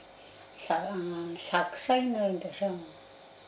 １００歳になるでしょ。